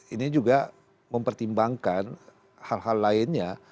ini juga mempertimbangkan hal hal lainnya